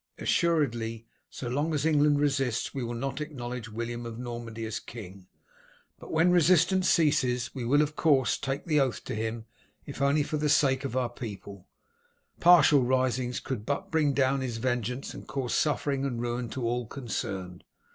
"Assuredly so long as England resists we will not acknowledge William of Normandy as king, but when resistance ceases, we will of course take the oath to him if only for the sake of our people; partial risings could but bring down his vengeance and cause suffering and ruin to all concerned.